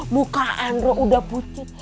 muka ardo udah putih